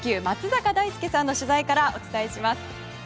松坂大輔さんの取材からお伝えします。